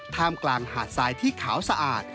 ท่ามกลางหาดทรายที่ขาวสะอาด